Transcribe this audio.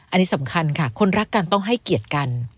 อันนี้สำคัญค่ะคนรักกันต้องให้เกียรติกัน